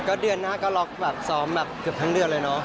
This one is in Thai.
ก็เดือนหน้าก็ล็อกแบบซ้อมแบบเกือบทั้งเดือนเลยเนาะ